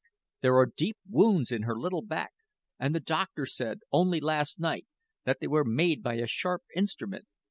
There are deep wounds in her little back, and the doctor said, only last night, that they were made by a sharp instrument.